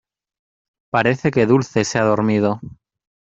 parece que Dulce se ha dormido.